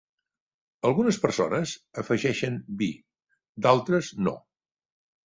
Algunes persones afegeixen vi. D'altres, no.